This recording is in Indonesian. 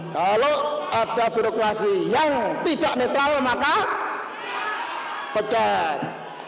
kalau ada birokrasi yang tidak netral maka pecat